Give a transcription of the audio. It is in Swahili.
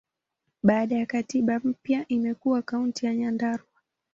Baada ya katiba mpya, imekuwa Kaunti ya Nyandarua.